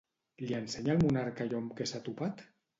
Li ensenya al monarca allò amb què s'ha topat?